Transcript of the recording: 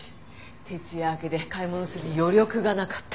徹夜明けで買い物する余力がなかった。